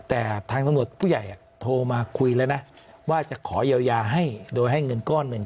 แต่ทางตำรวจผู้ใหญ่โทรมาคุยแล้วนะว่าจะขอเยียวยาให้โดยให้เงินก้อนหนึ่ง